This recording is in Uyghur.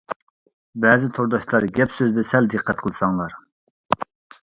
بەزى تورداشلار گەپ-سۆزدە سەل دىققەت قىلساڭلار.